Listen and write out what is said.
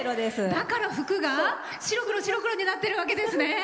だから服が白黒になってるわけですね。